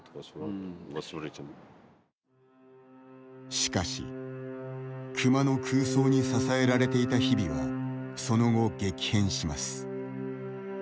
しかし、熊の空想に支えられていた日々はその後激変します。